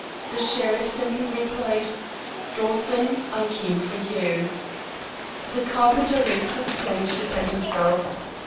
The sheriff simply replied: "Dawson, I came for you." The carpenter raised his plane to defend himself.